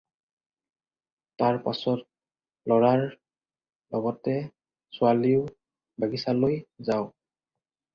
তাৰ পাচত ল'ৰাৰ লগতে ছোৱালীও বাগিচালৈ যাওক।